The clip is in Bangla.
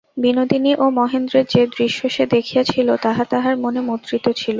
বিনোদিনী ও মহেন্দ্রের যে-দৃশ্য সে দেখিয়াছিল, তাহা তাহার মনে মুদ্রিত ছিল।